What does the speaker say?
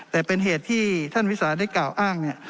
แต่เป็นเหตุที่ท่านวิสาได้กล่าวอ้างเนี่ย